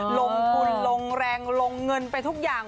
ลงทุนลงแรงลงเงินไปทุกอย่าง